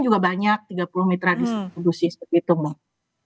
juga banyak tiga puluh mitra distribusi seperti itu mbak